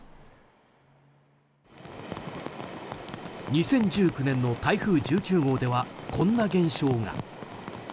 ２０１９年の台風１９号ではこんな現象が。